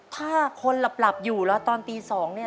ถ้าคนหลับอยู่แล้วตอนตี๒เนี่ย